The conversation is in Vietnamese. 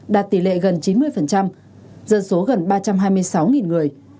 đạt tỷ lệ gần chín mươi dân số gần ba trăm hai mươi sáu người